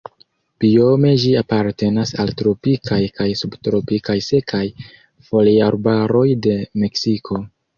Biome ĝi apartenas al tropikaj kaj subtropikaj sekaj foliarbaroj de Meksiko.